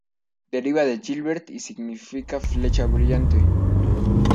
Deriva de "Gilbert" y significa "flecha brillante".